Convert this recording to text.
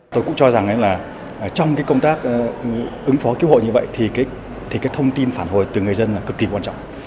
tôi cũng cho rằng trong công tác ứng phó cứu hội như vậy thì thông tin phản hồi từ người dân là cực kỳ quan trọng